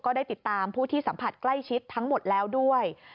ได้ติดตามผู้ที่สัมผัสใกล้ชิดทั้งหมดแล้วด้วย